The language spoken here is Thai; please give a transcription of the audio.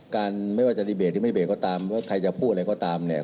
ไม่ว่าจะดีเบตหรือไม่เบรกก็ตามว่าใครจะพูดอะไรก็ตามเนี่ย